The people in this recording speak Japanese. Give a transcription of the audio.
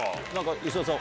磯田さん